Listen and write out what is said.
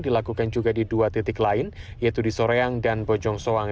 dilakukan juga di dua titik lain yaitu di soreyang dan bojongsoang